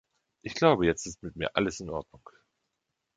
Ich glaube, jetzt ist mit mir alles in Ordnung.